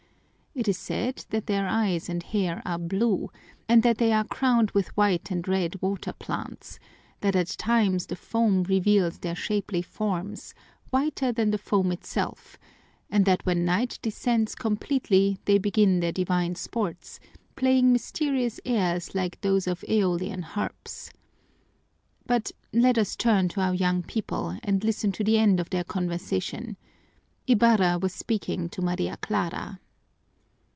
It is said that their eyes and hair are blue, and that they are crowned with white and red water plants; that at times the foam reveals their shapely forms, whiter than the foam itself, and that when night descends completely they begin their divine sports, playing mysterious airs like those of Æolian harps. But let us turn to our young people and listen to the end of their conversation. Ibarra was speaking to Maria Clara.